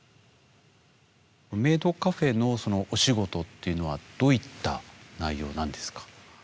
メイドカフェのお仕事っていうのはどういった内容なんですか？